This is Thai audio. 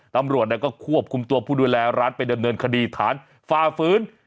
ตำรวจก็ควบคุมตัวผู้ดูแลร้านไปดำเนินคดีฐานฝ่าฝืน